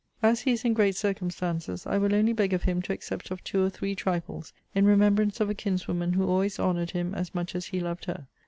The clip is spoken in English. As he is in great circumstances, I will only beg of him to accept of two or three trifles, in remembrance of a kinswoman who always honoured him as much as he loved her.